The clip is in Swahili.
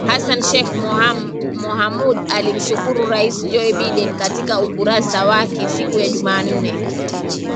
Hassan Sheikh Mohamud alimshukuru Rais Joe Biden katika ukurasa wake siku ya Jumanne